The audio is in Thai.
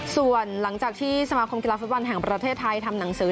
ส่วนหลังจากที่สมาคมกีฬาฟุตบอลแห่งประเทศไทยทำหนังสือ